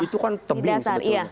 itu kan tebing sebetulnya